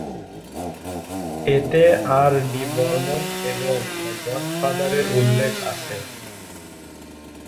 এতে আর ডি বর্মণ এবং "দ্য গডফাদার"-এর উল্লেখ আছে।